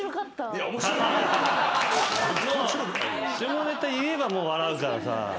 下ネタ言えばもう笑うからさ。